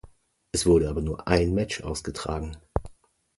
Es wurde aber nur ein Match ausgetragen.